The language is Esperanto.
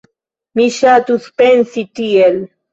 Mi ŝatus pensi tiel.